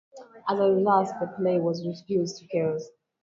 As a result, the play was reduced to chaos.